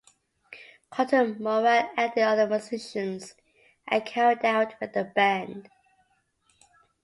Carton and Moran added other musicians, and carried on with the band.